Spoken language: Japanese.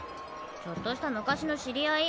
ちょっとした昔の知り合い。